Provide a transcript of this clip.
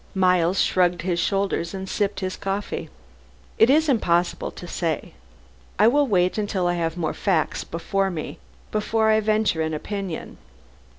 Miles shrugged his shoulders and sipped his coffee. "It is impossible to say. I will wait until I have more facts before me before I venture an opinion.